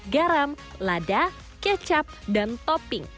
garam lada kecap dan topping